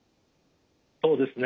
そうですね。